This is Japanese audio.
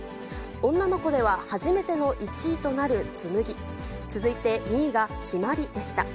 女の子では初めての１位となる紬、続いて２位が陽葵でした。